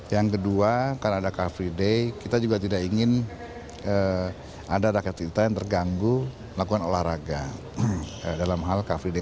yang kedua karena ada car free day kita juga tidak ingin ada rakyat kita yang terganggu lakukan olahraga dalam hal car free day